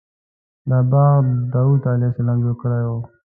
دا باغ داود علیه السلام جوړ کړی و.